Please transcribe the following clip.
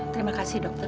terima kasih dokter